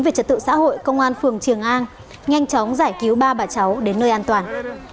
về trật tự xã hội công an phường triềng an nhanh chóng giải cứu ba bà cháu đến nơi an toàn